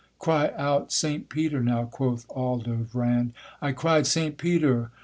Cry out St. Peter now, quoth Aldovrand; I cried, St. Peter!